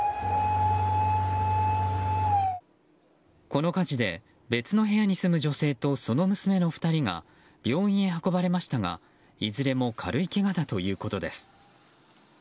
この火事で別の部屋に住む女性とその娘の２人が病院へ運ばれましたが、いずれも軽いけがだということです。